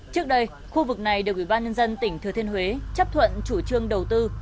trước đây khu vực này được ủy ban nhân dân tỉnh thừa thiên huế chấp thuận chủ trương đầu tư